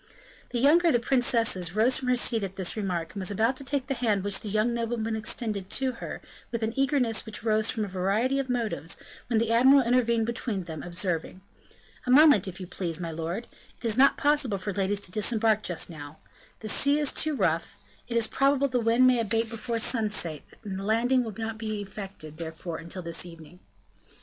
The younger of the princesses rose from her seat at this remark, and was about to take the hand which the young nobleman extended to her, with an eagerness which arose from a variety of motives, when the admiral intervened between them, observing: "A moment, if you please, my lord; it is not possible for ladies to disembark just now, the sea is too rough; it is probable the wind may abate before sunset, and the landing will not be effected, therefore, until this evening."